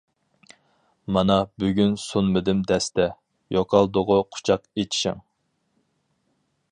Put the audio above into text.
مانا بۈگۈن سۇنمىدىم دەستە. ، يوقالدىغۇ قۇچاق ئېچىشىڭ.